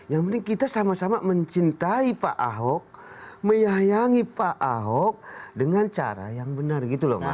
yang penting kita sama sama mencintai pak ahok menyayangi pak ahok dengan cara yang benar gitu loh mas